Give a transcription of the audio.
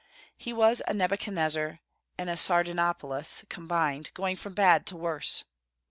He was a Nebuchadnezzar and a Sardanapalus combined, going from bad to worse.